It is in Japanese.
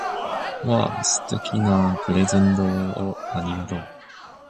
わぁ！素敵なプレゼントをありがとう！